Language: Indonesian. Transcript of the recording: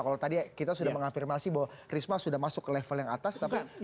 kalau tadi kita sudah mengafirmasi bahwa risma sudah masuk ke level yang atas